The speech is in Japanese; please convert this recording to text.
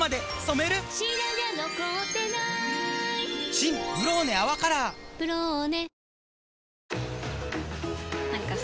新「ブローネ泡カラー」「ブローネ」